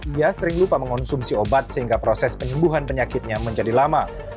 ia sering lupa mengonsumsi obat sehingga proses penyembuhan penyakitnya menjadi lama